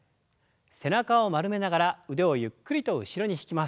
背中を丸めながら腕をゆっくりと後ろに引きます。